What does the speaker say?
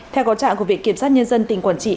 theo có trạng của viện kiểm sát nhân dân tỉnh quảng trị